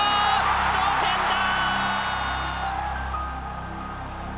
同点だ！